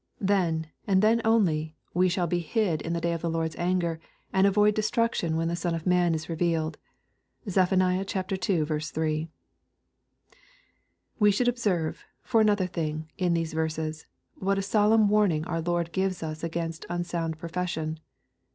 Then, and then only, we shall be hid in the day of the Lord's anger, and avoid destruction when the Son of man is revealed. (Zeph. ii. 3.) We should observe, for another thing, in these verses, what a solemn warning our Lord gives us against un sound profession.